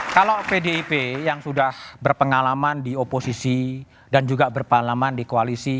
kalau pdip yang sudah berpengalaman di oposisi dan juga berpengalaman di koalisi